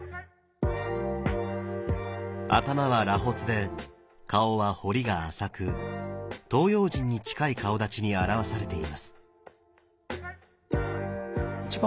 頭は螺髪で顔は彫りが浅く東洋人に近い顔だちに表されています。